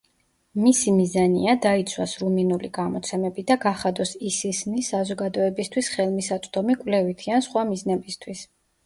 მისი მიზანია დაიცვას რუმინული გამოცემები და გახადოს ისისნი საზოგადოებისთვის ხელმისაწვდომი კვლევითი ან სხვა მიზნებისთვის.